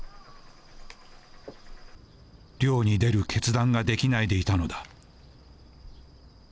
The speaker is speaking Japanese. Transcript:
漁に出る決断ができないでいたのだ。